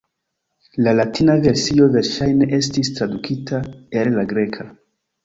La latina versio verŝajne estis tradukita el la greka.